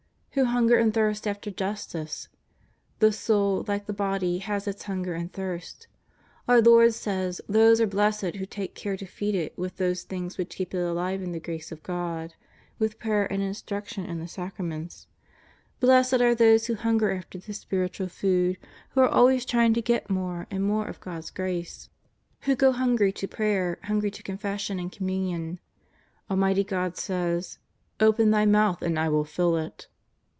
Who hunger and thirst after justice. The soul, like the body, has its hunger and thirst. Our Lord says those are blessed who take care to feed it with those things which keep it alive in the grace of God, with prayer, and instruction, and the Sacraments. Blessed are those who liunger after this spiritual food, who are always trying to get more and more of God's grace, JESUS OF NAZAEETH. 203 wlio go hungry to prayer, hungry to Confession and Communion. Almighty God says :'^ Open thy mouth and I will fill it."